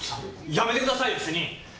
やめてくださいよ主任！